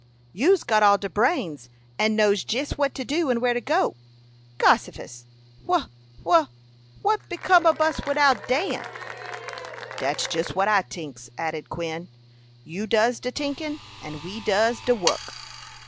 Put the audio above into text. "You's got all de brains, and knows jes what to do and where to go. Gossifus! Wha wha what become ob us widout Dan?" "Dat's jus what I tinks," added Quin. "You does de tinkin, and we does de wuck."